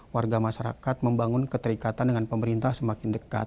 warga masyarakat membangun keterikatan dengan pemerintah semakin dekat